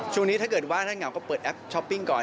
ช่วงนี้ถ้าเกิดว่าถ้าเหงาก็เปิดแอปช้อปปิ้งก่อน